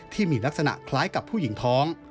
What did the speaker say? ที่มีลักษณะคล้ายกับผู้หญิงท้อง